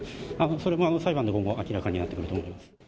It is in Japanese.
それも裁判で明らかになってくると思います。